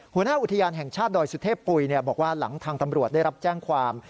หัวหน้าอุทยานแห่งชาติดอยสุเทพปุ๋ยบอกว่าหลังทางตำรวจได้รับแจ้งความ